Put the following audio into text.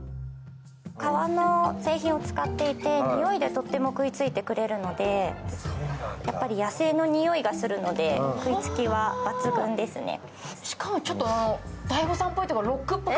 革の製品を使っていてにおいでとっても食いついてくれるのでやっぱり野生のにおいがするので食いつきは抜群ですね。